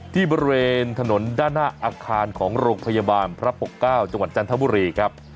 ที่บริเวณถนนด้านหน้าอาคารของโรงพยาบาลพระปกเก้าจังหวัดจันทบุรีครับ